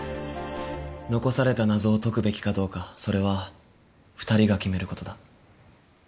残された謎を解くべきかどうかそれは２人が決める事だ。